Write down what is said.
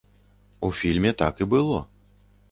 У фільме так і было!